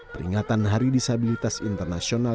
peringatan hari disabilitas internasional